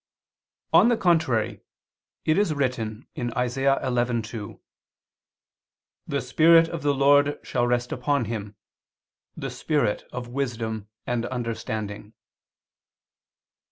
On the contrary, It is written (Isa. 11:2): "The Spirit of the Lord shall rest upon him, the Spirit of wisdom of understanding."